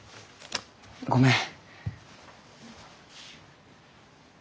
ごめん。